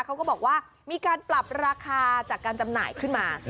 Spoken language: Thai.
เขาก็บอกว่ามีการปรับราคาจากการจำหน่ายขึ้นมา